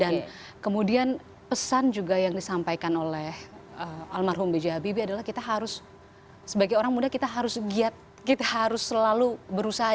dan kemudian pesan juga yang disampaikan oleh almarhum b j habibie adalah kita harus sebagai orang muda kita harus giat kita harus selalu berusaha